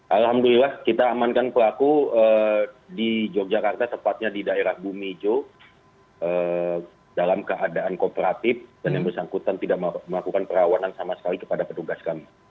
alhamdulillah kita amankan pelaku di yogyakarta tepatnya di daerah bumi jo dalam keadaan kooperatif dan yang bersangkutan tidak melakukan perawanan sama sekali kepada petugas kami